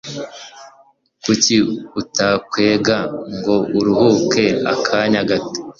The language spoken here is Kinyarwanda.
kuki utakwega ngo uruhuke akanya gato